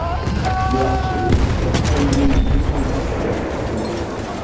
Le Harcholet, quatre-vingt-huit mille deux cent dix Le Saulcy